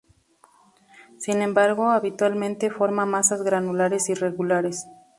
Sin embargo, habitualmente forma masas granulares irregulares.